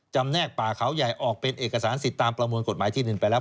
แนกป่าเขาใหญ่ออกเป็นเอกสารสิทธิ์ตามประมวลกฎหมายที่ดินไปแล้ว